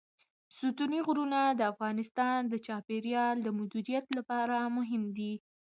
ستوني غرونه د افغانستان د چاپیریال د مدیریت لپاره مهم دي.